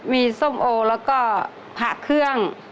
มีส้มโอแล้วก็พระเครื่อง